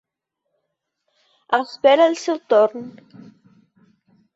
Espera el seu torn.